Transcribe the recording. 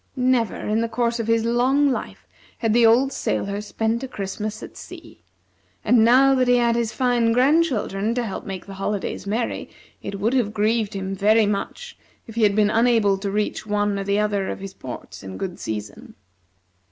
Never, in the course of his long life, had the old sailor spent a Christmas at sea; and now that he had his fine grandchildren to help make the holidays merry, it would have grieved him very much if he had been unable to reach one or the other of his ports in good season.